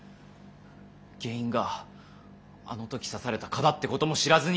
原因があの時刺された蚊だってことも知らずに。